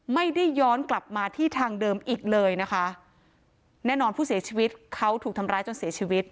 ไม่ได้ย้อนกลับมาที่ทางเดิมอีกเลยนะคะแน่นอนผู้เสียชีวิตเขาถูกทำร้ายจนเสียชีวิต